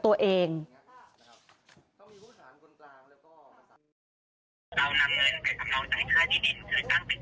และมีการเก็บเงินรายเดือนจริง